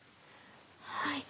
はい。